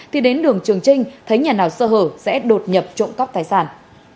thì đến đường trường trinh thấy nhà nào sơ hở sẽ đột nhập trộm cắp tài sản